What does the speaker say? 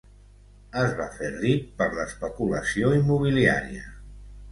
Es va fer ric per l'especulació immobiliària.